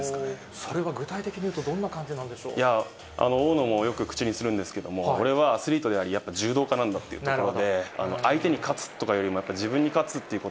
それは具体的に言うと、大野もよく口にするんですけれども、俺はアスリートであり、やっぱり柔道家なんだというところで、相手に勝つとかよりも、やっぱり自分に勝つっていうこと